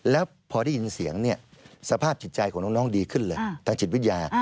แล้วพอได้ยินเสียงเนี่ยสภาพจิตใจของน้องดีขึ้นเลยทางจิตวิทยา